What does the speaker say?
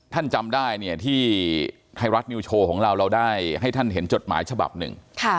จำได้เนี่ยที่ไทยรัฐนิวโชว์ของเราเราได้ให้ท่านเห็นจดหมายฉบับหนึ่ง